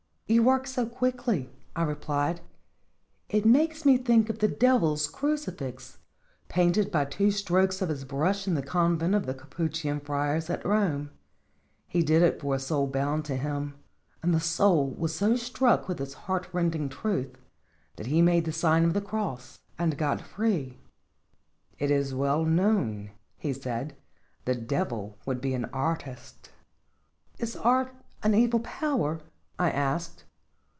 "You work so quickly," I replied; "it makes me think of the Devil's crucifix, painted by two strokes of his brush in the convent of the Capuchin friars at Rome. He did it for a soul bound to him ; and the soul was so struck with its heartrending truth, that he made the sign of the cross, and got free." Singeb Jttotfys. 55 "It is well known," he said, "the Devil would be an artist/' " Is art an evil power ?" I asked.